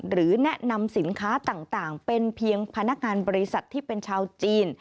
หรือแนะนำสินค้าต่างเป็นเพียงพนักงานบริษัทที่เป็นชาวจีน